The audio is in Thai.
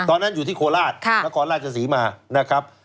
ตอนนั้นอยู่ที่โคราชนครราชศรีมานะครับ